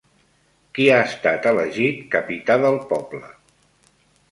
Qui ha estat elegit capità del Poble?